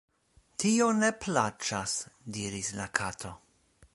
"Tio ne plaĉas," diris la Kato.